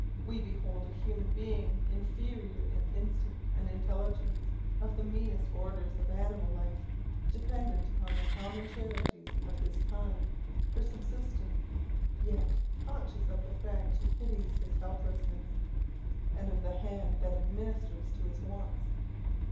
We behold a human being inferior in instinct and intelligence of the meanest orders of animal life, dependent upon the common charities of his kind for subsistence, yet conscious of the friend who pities his helplessness, and of the hand that administers to his wants.